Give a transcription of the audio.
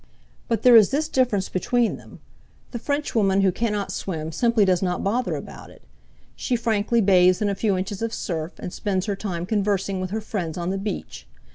But there is this difference between them the Frenchwoman who cannot swim simply does not bother about it; she frankly bathes in a few inches of surf, and spends her time conversing with her friends on the beach.